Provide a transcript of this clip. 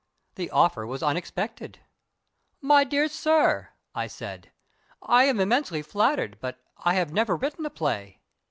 The offer was unexpected. "My dear sir," I said, "I am immensely flattered, but I have never written a play."